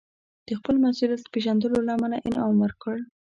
د خپل مسوولیت پېژندلو له امله انعام ورکړ.